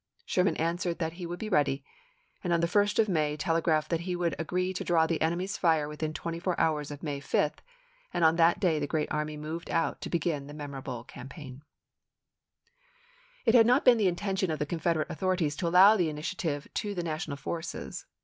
Sherman answered that he would be ready, and on the 1st of May tele graphed that he would agree to draw the enemy's 186*. fire within twenty four hours of May 5, and on that day the great army moved out to begin the memorable campaign. SHEKMAN'S CAMPAIGN TO THE CHATTAHOOCHEE It had not been the intention of the Confederate authorities to allow the initiative to the National forces.